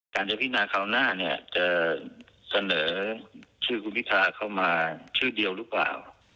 การเจ้าผิดหนาครั้วหน้าจะเสนอคุณพิทาเข้ามาชื่อเดียวหรือเปล่า